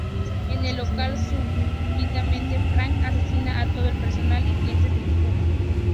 En el local súbitamente Frank asesina a todo el personal y clientes del pub.